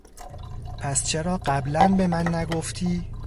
پس چرا قبلا به من نگفتی؟